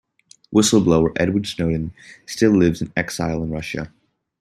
Whistle-blower Edward Snowden still lives in exile in Russia.